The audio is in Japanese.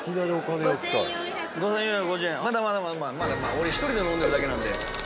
俺一人で飲んでるだけなんで。